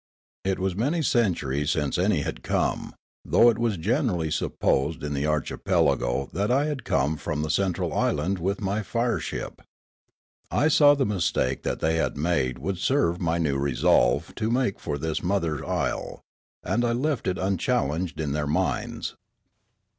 It was many centuries since any had come, though it was generally supposed in the archipelago that I had come from the central island with my fireship. I saw the mistake that they had made would serve my new resolve to make for this mother isle ; and I left it unchallenged in their minds.